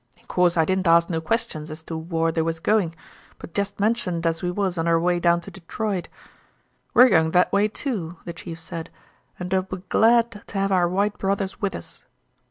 In course I didn't ask no questions as to whar they was going, but jest mentioned as we was on our way down to Detroit. 'We're going that way, too,' the chief said, 'and 'll be glad to have our white brothers with us.'